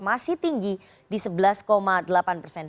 masih tinggi di sebelas delapan persen